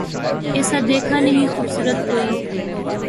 ایسا دیکھا نہیں خوبصورت کوئی